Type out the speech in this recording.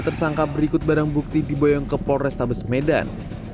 tersangka berikut barang bukti diboyong ke polres sabes medan